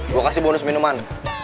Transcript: gue kasih bonus minuman